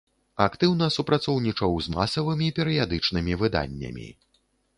Актыўна супрацоўнічаў з масавымі перыядычнымі выданнямі.